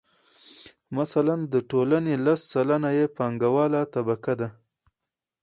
مثلاً د ټولنې لس سلنه یې پانګواله طبقه ده